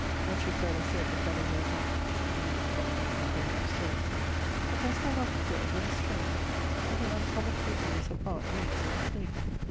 What she further said the fellow heard not, she leaning upon the maid, and going up stairs. But dost thou not observe, what a strange, what an uncommon openness of heart reigns in this lady?